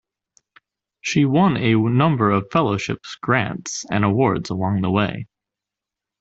She won a number of fellowships, grants, and awards along the way.